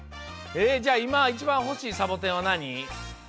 えっじゃあいまいちばんほしいサボテンはなに？